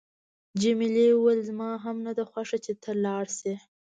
جميلې وويل: زما هم نه ده خوښه چې ته لاړ شې.